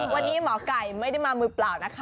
วันนี้หมอไก่ไม่ได้มามือเปล่านะคะ